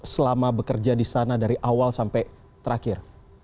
selama bekerja di sana dari awal sampai terakhir